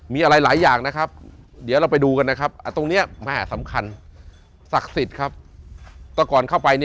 มีละหลายอย่างเดี๋ยวเราไปดูตรงนี้มหาสำคัญศักดิ์สิทธิ์